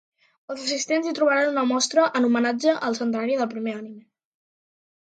Els assistents hi trobaran una mostra en homenatge al centenari del primer anime.